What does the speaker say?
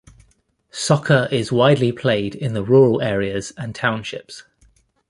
Soccer is widely played in the rural areas and townships.